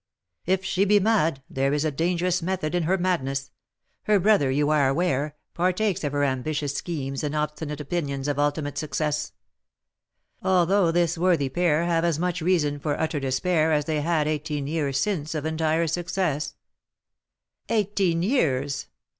"If she be mad, there is a dangerous 'method in her madness;' her brother, you are aware, partakes of her ambitious schemes and obstinate opinions of ultimate success. Although this worthy pair have as much reason for utter despair as they had eighteen years since of entire success " "Eighteen years!